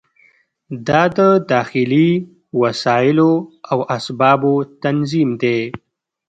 دا د داخلي وسایلو او اسبابو تنظیم دی.